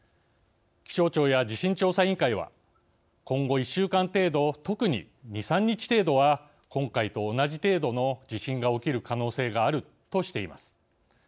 気象庁や地震調査委員会は今後１週間程度特に２３日程度は今回と同じ程度の地震が起きる可能性があるとしています。